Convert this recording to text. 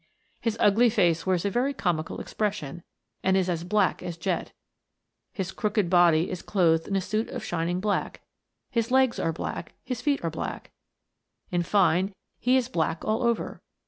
His ugly face wears a very comical expression, and is as black as je't. His crooked body is clothed in a suit of shining black ; his legs are black, his feet are black ; in fine, he is black all over.